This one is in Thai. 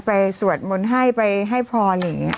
ไปสวดมนต์ให้ไปให้พรอย่างเงี้ย